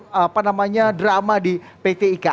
banyak sekali kita mendengar ada insiden atau drama di pt ika